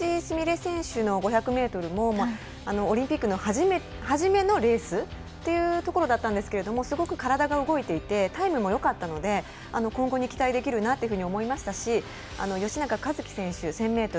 純礼選手の５００ｍもオリンピックの初めのレースというところだったんですけどすごく体が動いていてタイムもよかったので今後に期待できるなと思いましたし吉永一貴、１０００ｍ。